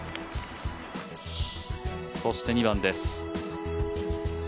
そして２番です。